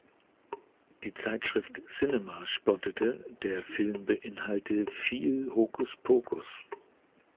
Die Zeitschrift "Cinema" spottete, der Film beinhalte "„viel Hokuspokus“".